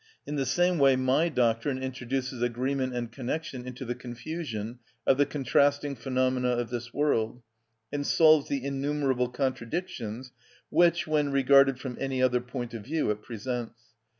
In the same way my doctrine introduces agreement and connection into the confusion of the contrasting phenomena of this world, and solves the innumerable contradictions which, when regarded from any other point of view, it presents.